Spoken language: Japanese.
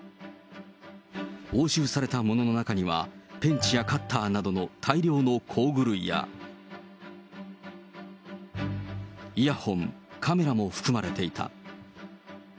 押収されたものの中には、ペンチやカッターなどの大量の工具類や、イヤホン、カメラも含まれていた。